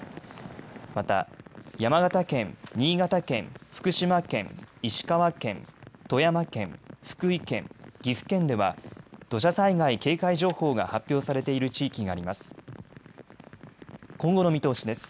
また山形県、新潟県、福島県、石川県、富山県、福井県、岐阜県では土砂災害警戒情報が発表されている地域があります。